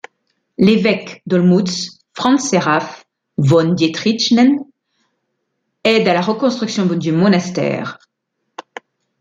L'évêque d'Olmütz, Franz Seraph von Dietrichstein, aide à la reconstruction du monastère.